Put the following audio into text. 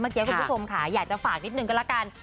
เมื่อกี้คุณผู้ชมค่ะอยากจะฝากนิดนึงกันละกัน